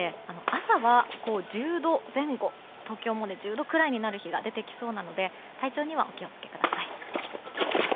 朝は１０度前後、東京も１０度ぐらいになりそうなので体調にはお気を付けください。